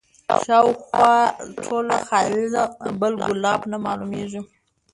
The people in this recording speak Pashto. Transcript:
شاوخوا ټوله خالي ده بل ګلاب نه معلومیږي